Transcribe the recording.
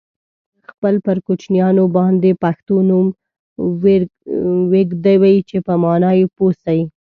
خپل پر کوچنیانو باندي پښتو نوم ویږدوی چې په مانا یې پوه سی.